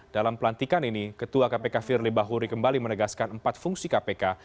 dalam pelantikan ini ketua kpk firly bahuri kembali menegaskan empat fungsi kpk